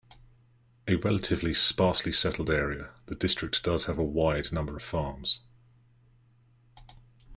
A relatively sparsely settled area, the District does have a wide number of farms.